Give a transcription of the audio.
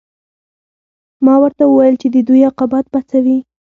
ما ورته وویل چې د دوی عاقبت به څه وي